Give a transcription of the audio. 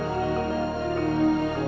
gak usah lo nyesel